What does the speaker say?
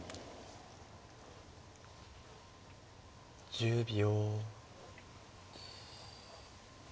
１０秒。